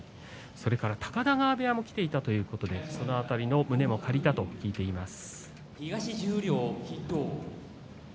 それから高田川部屋にも来ていたということでその辺りの胸を借りたと聞いています。